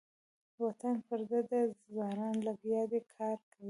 وطن پردی ده ځوانان لګیا دې کار کوینه.